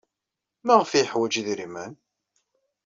Maɣef ay yeḥwaj idrimen?